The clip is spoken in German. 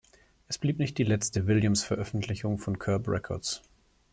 Es blieb nicht die letzte Williams-Veröffentlichung von Curb Records.